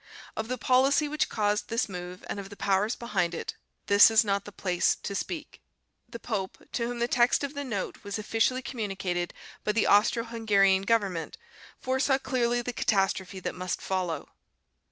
Of the policy which caused this move, and of the powers behind it, this is not the place to speak. The pope, to whom the text of the Note was officially communicated by the Austro Hungarian government, foresaw clearly the catastrophe that must follow.